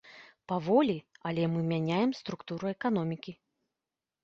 Паволі, але мы мяняем структуру эканомікі.